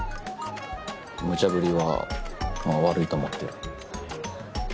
ムチャぶりはまぁ悪いと思ってる。